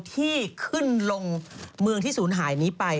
ที่ขึ้นลงเมืองที่ศูนย์หายนี้ไป